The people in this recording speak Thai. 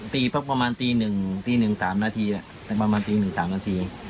ปีประมาณตี๑๓นาที